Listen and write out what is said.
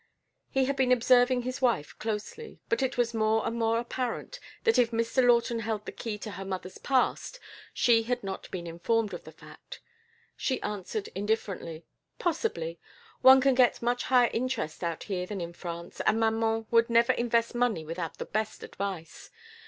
He had been observing his wife closely, but it was more and more apparent that if Mr. Lawton held the key to her mother's past she had not been informed of the fact. She answered indifferently: "Possibly. One can get much higher interest out here than in France, and maman would never invest money without the best advice.